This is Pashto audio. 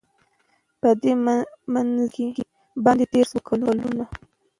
په دې منځ کي باندی تېر سوله کلونه